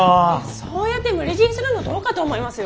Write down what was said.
そうやって無理強いするのどうかと思いますよ。